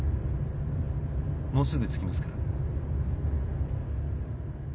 もうすぐ着きますから。